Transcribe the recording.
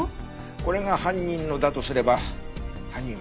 これが犯人のだとすれば犯人は１人だね。